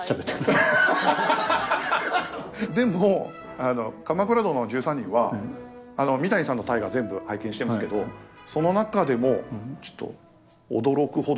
でも「鎌倉殿の１３人」は三谷さんの「大河」全部拝見してますけどその中でもちょっと驚くほど面白いなと。